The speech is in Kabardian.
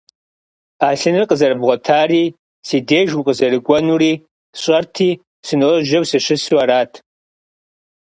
Ӏэлъыныр къызэрыбгъуэтари си деж укъызэрыкӀуэнури сщӀэрти, сыножьэу сыщысу арат.